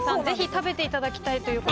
ぜひ食べていただきたいと。